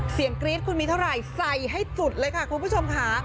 กรี๊ดคุณมีเท่าไหร่ใส่ให้จุดเลยค่ะคุณผู้ชมค่ะ